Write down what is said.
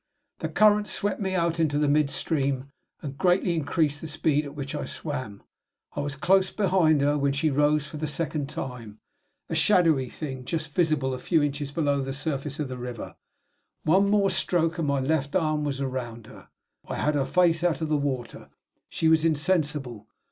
The current swept me out into the mid stream, and greatly increased the speed at which I swam. I was close behind her when she rose for the second time a shadowy thing, just visible a few inches below the surface of the river. One more stroke, and my left arm was round her; I had her face out of the water. She was insensible.